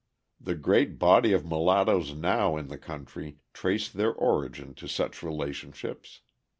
The great body of mulattoes now in the country trace their origin to such relationships.